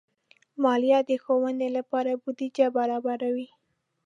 مالیه د ښوونې لپاره بودیجه برابروي.